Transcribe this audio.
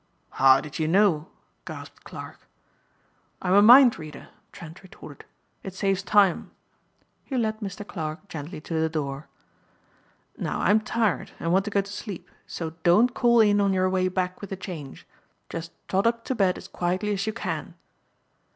"How did you know?" gasped Clarke. "I am a mind reader," Trent retorted. "It saves time." He led Mr. Clarke gently to the door. "Now I'm tired and want to go to sleep so don't call in on your way back with the change. Just trot up to bed as quietly as you can."